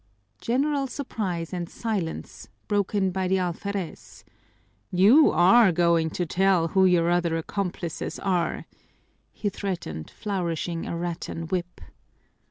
General surprise and silence, broken by the alferez. "You are going to tell who your other accomplices are," he threatened, flourishing a rattan whip.